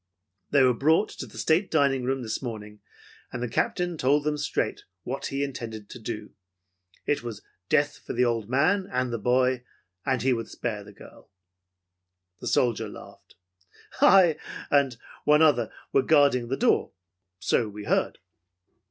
They were brought to the state dining room this morning, and the Captain told them straight what he intended to do. It was death for the old man and the boy, and he would spare the girl." The soldier laughed. "I and one other were guarding the door, so we heard.